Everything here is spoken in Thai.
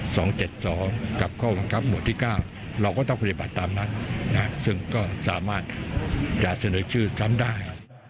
สองเจ็ดสองกับข้อบังคับหมวดที่เก้าเราก็ต้องปฏิบัติตามนั้นนะซึ่งก็สามารถจะเสนอชื่อซ้ำได้